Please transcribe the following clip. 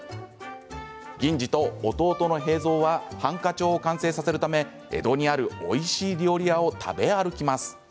銀次と弟の平蔵は飯科帳を完成させるため江戸にある、おいしい料理屋を食べ歩きます。